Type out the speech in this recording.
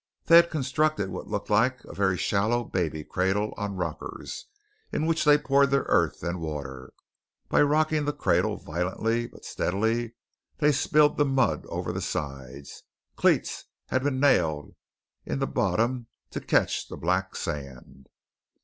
They had constructed what looked like a very shallow baby cradle on rockers into which they poured their earth and water. By rocking the cradle violently but steadily, they spilled the mud over the sides. Cleats had been nailed in the bottom to catch the black sand.